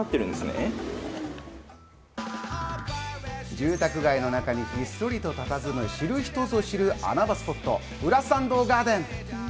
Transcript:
住宅街の中にひっそりとたたずむ、知る人ぞ知る穴場スポット、裏参道ガーデン。